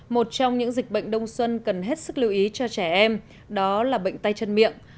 một trong những dịch bệnh đông xuân cần hết sức lưu ý cho trẻ em đó là bệnh tay chân miệng